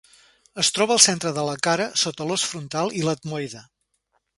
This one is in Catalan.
Es troba al centre de la cara, sota l'os frontal i l'etmoide.